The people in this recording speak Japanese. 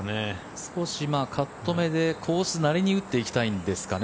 少しカットめでコースなりに打っていきたいんですかね。